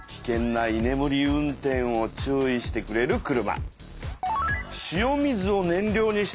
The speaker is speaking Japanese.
うんいねむり運転を注意してくれる車！